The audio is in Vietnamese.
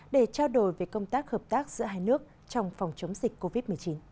để trao đổi về công tác hợp tác giữa hai nước trong phòng chống dịch covid một mươi chín